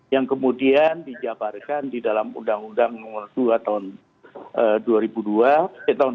yang kemudian dijabarkan di dalam undang undang nomor dua tahun dua ribu dua eh tahun dua ribu